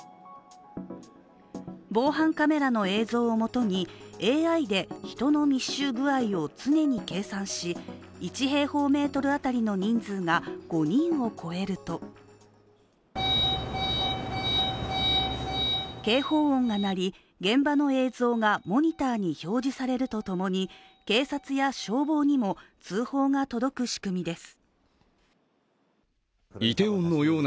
防犯カメラの映像をもとにＡＩで人の密集具合を常に計算し、１平方メートル当たりの人数が５人を超えると警報音が鳴り、現場の映像がモニターに表示されるとともに警察や消防にも通報が届く仕組みです。